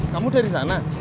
kamu dari sana